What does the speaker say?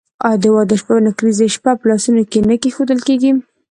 آیا د واده په شپه نکریزې په لاسونو نه کیښودل کیږي؟